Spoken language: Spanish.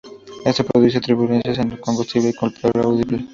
Esto produce turbulencias en el combustible y un golpeo audible.